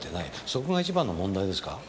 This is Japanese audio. そこが一番の問題ですか？